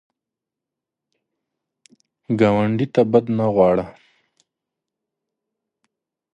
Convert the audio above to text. ګاونډي ته بد نه غواړه